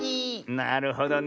なるほどね。